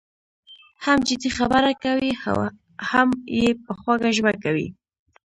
هم جدي خبره کوي او هم یې په خوږه ژبه کوي.